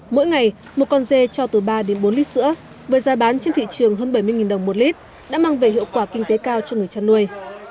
mỗi ngày một con dê cho từ ba đến bốn lít sữa với giá bán trên thị trường hơn bảy mươi đồng một lít đã mang về hiệu quả kinh tế cao cho người chăn nuôi